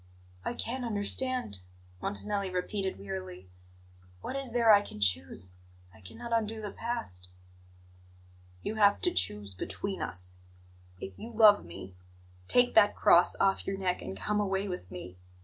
"I can't understand," Montanelli repeated wearily. "What is there I can choose? I cannot undo the past." "You have to choose between us. If you love me, take that cross off your neck and come away with me.